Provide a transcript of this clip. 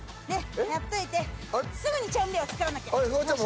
やっといてすぐに調味料を作らなきゃ。